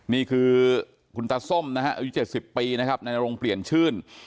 นี่คือคุณตาส้มนะฮะอายุ๗๐ปีนะครับนายนรงเปลี่ยนชื่น